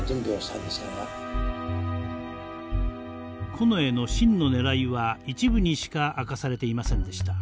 近衛の真のねらいは一部にしか明かされていませんでした。